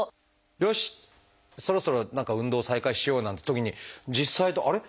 よしそろそろ何か運動を再開しようなんてときに実際とあれ？